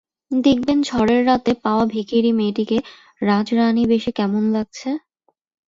দেখবেন, ঝড়ের রাতে পাওয়া ভিখিরি মেয়েটিকে রাজরানীবেশে কেমন লাগছে।